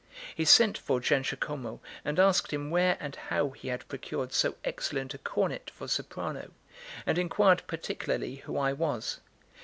He sent for Giangiacomo, and asked him where and how he had procured so excellent a cornet for soprano, and inquired particularly who I was.